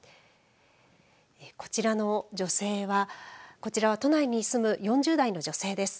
こちらの女性はこちらは都内に住む４０代の女性です。